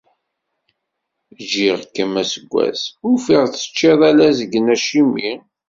Ǧǧiɣ-kem aseggas, ufiɣ teččiḍ ala azgen, acimi?